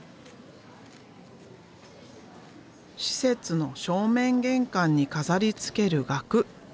施設の正面玄関に飾りつける額。